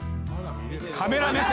カメラ目線！